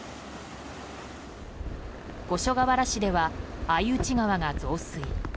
五所川原市では、相内川が増水。